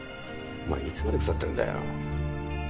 お前いつまで腐ってんだよ。